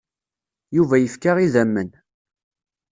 Yuba yefka idammen.